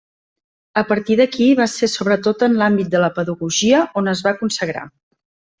A partir d'aquí va ser sobretot en l'àmbit de la pedagogia on es va consagrar.